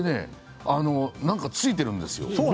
何かついているんですよ。